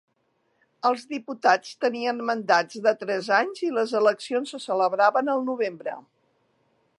Els diputats tenien mandats de tres anys i les eleccions se celebraven al novembre.